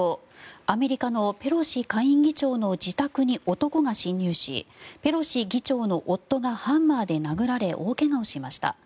アメリカのペロシ下院議長の自宅に男が侵入しペロシ議長の夫がハンマーで殴られ大怪我をしました。